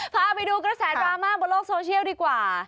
พาไปดูกระแสดราม่าบนโลกโซเชียลดีกว่า